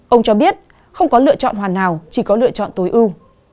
ông cho biết không có lựa chọn hoàn nào chỉ có lựa chọn tối ưu